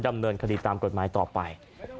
ดำเนินคดีตามกฎหมายต่อไป